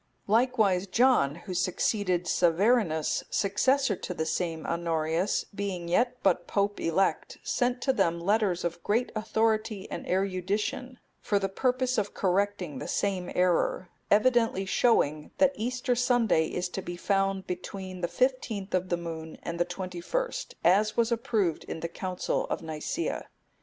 Likewise John,(264) who succeeded Severinus, successor to the same Honorius, being yet but Pope elect, sent to them letters of great authority and erudition for the purpose of correcting the same error; evidently showing, that Easter Sunday is to be found between the fifteenth of the moon and the twenty first, as was approved in the Council of Nicaea.